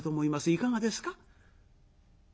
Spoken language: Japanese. いかがですか？